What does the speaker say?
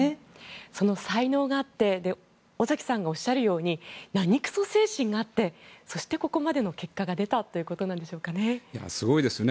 その才能が有って尾崎さんがおっしゃるように何くそ精神があってここまでの結果が出たということなんでしょうかね。